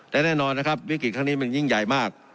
และแน่นอนนะครับวิกฤตครั้งนี้มันยิ่งใหญ่มาก